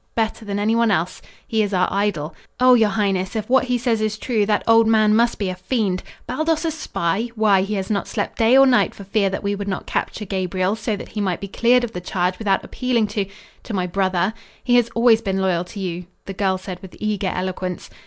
"Better than anyone else. He is our idol. Oh, your highness, if what he says is true that old man must be a fiend. Baldos a spy! Why, he has not slept day or night for fear that we would not capture Gabriel so that he might be cleared of the charge without appealing to to my brother. He has always been loyal to you," the girl said with eager eloquence.